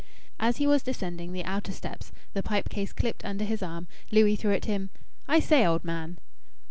As he was descending the outer steps, the pipe case clipped under his arm, Louis threw at him "I say, old man!"